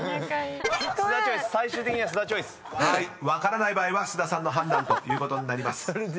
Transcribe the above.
［分からない場合は菅田さんの判断ということになります］